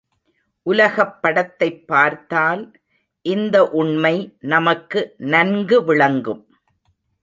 உலகப் படத்தைப் பார்த்தால் இந்த உண்மை நமக்கு நன்கு விளங்கும்.